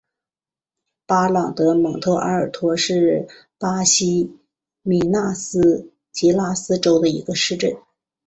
巴朗德蒙特阿尔托是巴西米纳斯吉拉斯州的一个市镇。